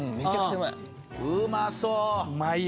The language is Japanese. うまそーう！